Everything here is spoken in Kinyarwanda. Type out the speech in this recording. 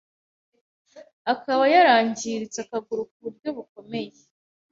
akaba yarangiritse akaguru ku buryo bukomeye,